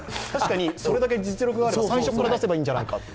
確かにそれだけ実力があれば、最初から出せばいいんじゃないか。